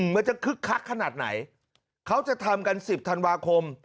มันจะคฆคักขนาดไหนเค้าจะทำกัน๑๐ธันวาคม